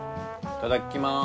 いただきます！